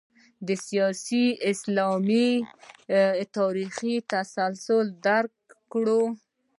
د سیاسي اسلام تاریخي تسلسل درک کړو.